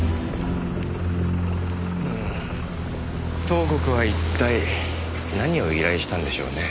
東国は一体何を依頼したんでしょうね？